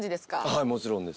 はいもちろんです。